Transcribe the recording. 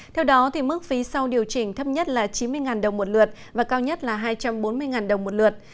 theo đó mức phí sau điều chỉnh thấp nhất là chín mươi đồng một lượt và cao nhất là hai trăm bốn mươi đồng một lượt